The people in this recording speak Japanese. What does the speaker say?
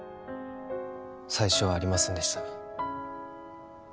最初はありませんでした